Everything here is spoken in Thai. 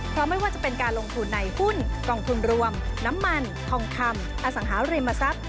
เพราะไม่ว่าจะเป็นการลงทุนในหุ้นกองทุนรวมน้ำมันทองคำอสังหาริมทรัพย์